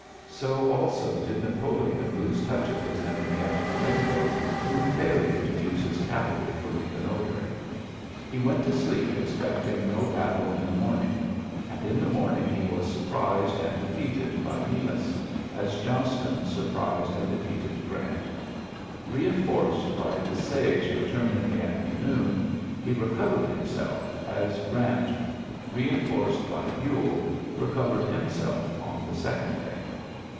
So also did Napoleon lose touch of his enemy at Marengo through failure to use his cavalry for reconnoi tring. He went to sleep expecting no battle in the morning ; and in the morn ing he was surprised and defeated by MelaS; as Johnston surprised and de feated Grant. Ee enforced by Desaix's return in the afternoon, he recovered himself, as Grant, re enforced by Buell, recovered himself on the second day.